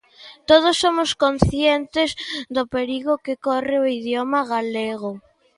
Todos somos conscientes do perigo que corre o idioma galego.